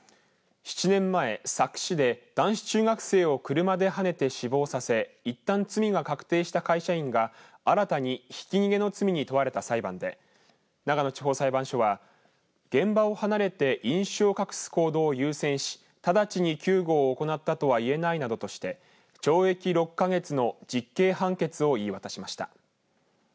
７年前、佐久市で男子中学生を車ではねて死亡させいったん罪が確定した会社員が新たに、ひき逃げの罪に問われた裁判で長野地方裁判所は現場を離れて飲酒を隠す行動を優先し直ちに救護を行ったとは言えないなどとして懲役６か月の実刑判決を言い渡しました。